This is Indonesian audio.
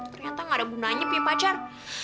ternyata ga ada bunanya punya pacar